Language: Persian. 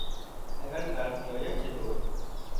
اگر برف بیاید چطور؟